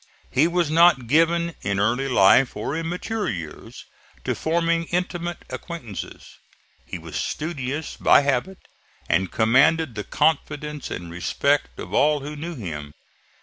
He was not given in early life or in mature years to forming intimate acquaintances. He was studious by habit, and commanded the confidence and respect of all who knew him.